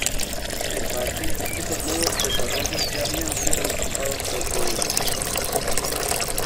En parte, estos nuevos desarrollos ya habían sido anticipados por Gould.